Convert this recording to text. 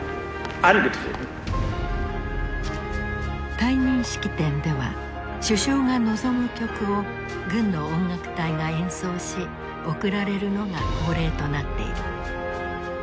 退任式典では首相が望む曲を軍の音楽隊が演奏し送られるのが恒例となっている。